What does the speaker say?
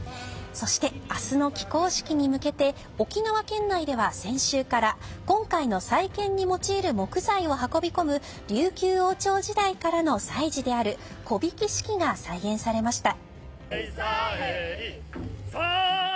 そして、明日の起工式に向けて沖縄県内では先週から今回の再建に用いる木材を運び込む琉球王朝時代からの祭事である木曳式が再現されました。